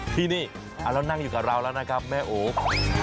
ที่นี่เรานั่งอยู่กับเราแล้วนะครับแม่โอ